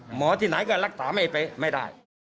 หมอที่ไหนก็รักษาไม่ไปไม่ได้